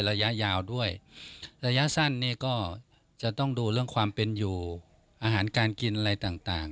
ระยะยาวด้วยระยะสั้นเนี่ยก็จะต้องดูเรื่องความเป็นอยู่อาหารการกินอะไรต่าง